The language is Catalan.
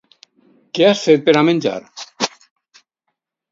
Què has fet per a menjar?